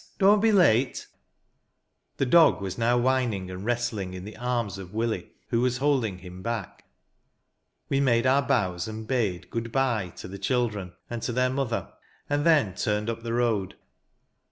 Don't be late." The dog was now whining and wrestling in the arms of Willie, who was holding him hack. We made our bows, and hade " Good bye" to the children and to their mother, and then turned up the road.